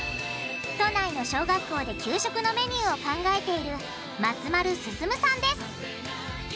都内の小学校で給食のメニューを考えている松丸奨さんです！